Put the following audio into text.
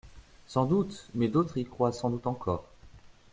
—Sans doute ! mais d'autres y croient sans doute encore.